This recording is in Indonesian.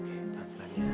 oke pelan pelan ya